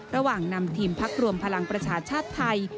ระหว่างนำทีมพักรวมพลังประชาชาติไทย